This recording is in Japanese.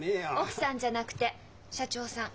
奥さんじゃなくて社長さん。